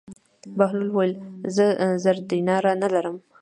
بهلول وویل: زه زر دیناره نه لرم.